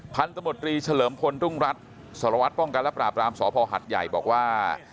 พันธมตรีเฉลิมพลรุ่งรัฐสารวัตรป้องกันและปราบรามสพหัดใหญ่บอกว่า